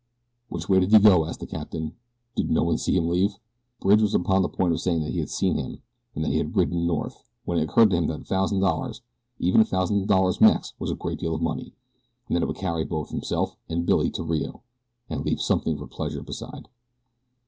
"Which way did he go?" asked the captain. "Did no one see him leave?" Bridge was upon the point of saying that he had seen him and that he had ridden north, when it occurred to him that a thousand dollars even a thousand dollars Mex was a great deal of money, and that it would carry both himself and Billy to Rio and leave something for pleasure beside.